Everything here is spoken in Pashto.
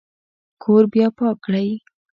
کور بیا پاک کړئ